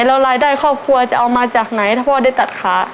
แล้วรายได้ครอบครัวจะเอามาจากไหนถ้าพ่อได้ตัดขา